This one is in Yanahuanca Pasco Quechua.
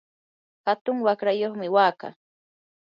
hatun waqrayuqmi wakaa.